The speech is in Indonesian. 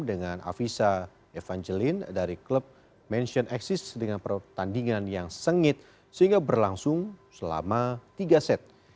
dengan afisa evangelin dari klub mansion exis dengan pertandingan yang sengit sehingga berlangsung selama tiga set